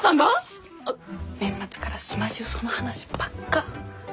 年末から島中その話ばっか。